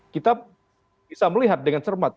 kita bisa melihat dengan cermat